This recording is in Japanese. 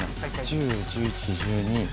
１０１１１２。